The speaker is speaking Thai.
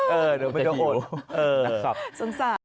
เดี๋ยวมันจะโหดนะครับสงสาร